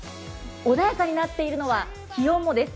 穏やかになっているのは気温もです。